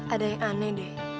ada yang aneh deh